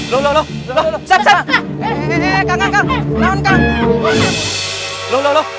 disini kan enak atem